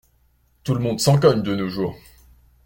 Tout le monde s’en cogne, de nos jours.